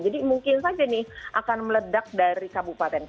jadi mungkin saja nih akan meledak dari kabupaten